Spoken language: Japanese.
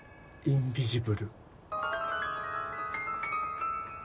インビジブル？